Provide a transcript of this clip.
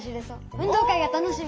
運動会が楽しみ！